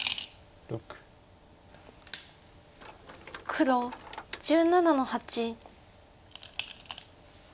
黒１７の八。